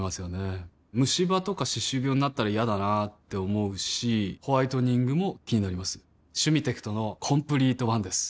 ムシ歯とか歯周病になったら嫌だなって思うしホワイトニングも気になります「シュミテクトのコンプリートワン」です